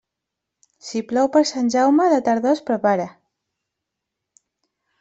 Si plou per Sant Jaume, la tardor es prepara.